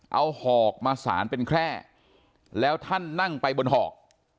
เอาหอกมาสารเป็นแคร่แล้วท่านนั่งไปบนหอก